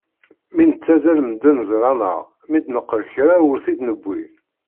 Mi nettazzal medden ẓran-aɣ, mi d-neqqel kra ur t-id-newwi.